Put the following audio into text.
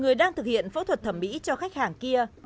người đang thực hiện phẫu thuật thẩm mỹ cho khách hàng kia